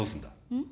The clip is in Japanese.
うん？